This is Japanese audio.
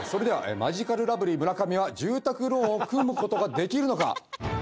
「マヂカルラブリー」・村上は住宅ローンを組むことができるのか？